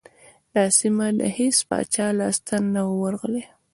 دا سیمه د هیڅ پاچا لاسته نه وه ورغلې.